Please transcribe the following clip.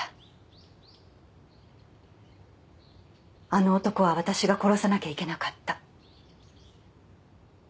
あの男は私が殺さなきゃいけなかった。